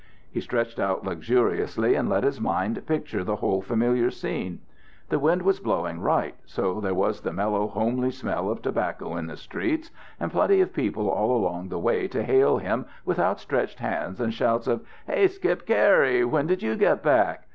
He stretched out luxuriously, and let his mind picture the whole familiar scene. The wind was blowing right, so there was the mellow homely smell of tobacco in the streets, and plenty of people all along the way to hail him with outstretched hands and shouts of "Hey, Skip Cary, when did you get back?"